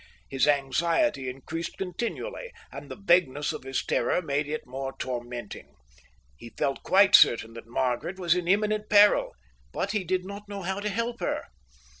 His anxiety increased continually, and the vagueness of his terror made it more tormenting. He felt quite certain that Margaret was in imminent peril, but he did not know how to help her.